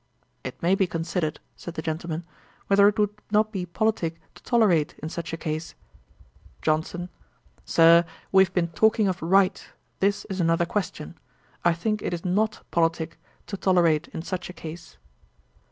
'It may be considered, (said the gentleman,) whether it would not be politick to tolerate in such a case.' JOHNSON. 'Sir, we have been talking of right: this is another question. I think it is not politick to tolerate in such a case.'